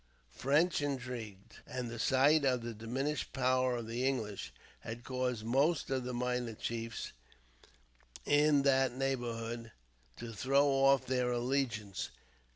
French intrigues, and the sight of the diminished power of the English, had caused most of the minor chiefs in that neighbourhood to throw off their allegiance.